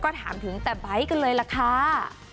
ก็ถามถึงแต่ไบท์กันเลยล่ะค่ะ